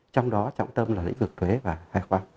trong đó trọng tâm là lĩnh vực thuế và hài khoản